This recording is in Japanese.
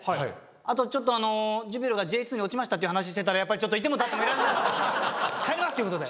あとちょっとジュビロがＪ２に落ちましたっていう話してたらやっぱりちょっと居ても立ってもいられないってことで帰ります！ということで。